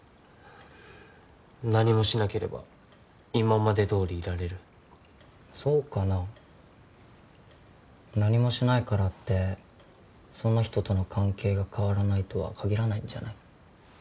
何もしなければ今までどおりいられるそうかな何もしないからってその人との関係が変わらないとは限らないんじゃない？